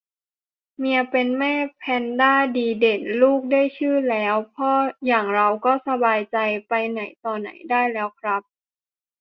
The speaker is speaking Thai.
เมียเป็นแม่แพนด้าดีเด่น ลูกได้ชื่อแล้ว พ่ออย่างเราก็สบายใจ ไปไหนต่อไหนได้แล้วครับ